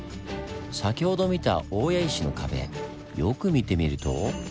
先ほど見た大谷石の壁よく見てみると。